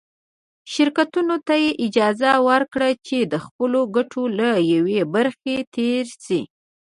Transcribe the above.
شرکتونو ته یې اجازه ورکړه چې د خپلو ګټو له یوې برخې تېر شي.